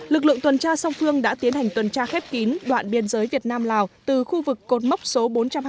lực lượng tuần tra song phương đã tiến hành tuần tra khép kín đoạn biên giới việt nam lào từ khu vực cột mốc số bốn trăm hai mươi